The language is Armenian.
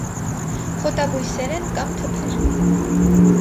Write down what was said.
Խոտաբույսեր են կամ թփեր։